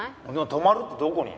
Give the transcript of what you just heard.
泊まるってどこに？